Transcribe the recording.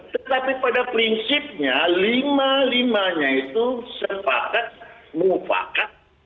tetapi pada prinsipnya lima limanya itu sepakat merupakan